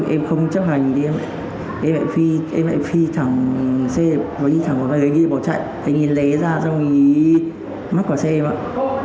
em không chấp hành thì em lại phi thẳng xe anh ấy bỏ chạy anh ấy lé ra anh ấy mắc quả sạch